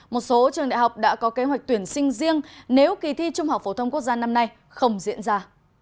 một số trường đại học đã có kế hoạch tuyển sinh riêng nếu kỳ thi trung học phổ thông quốc gia năm nay không diễn ra